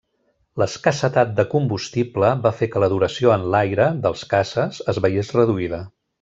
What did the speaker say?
L'escassetat de combustible, va fer que la duració en l'aire, dels caces, es veiés reduïda.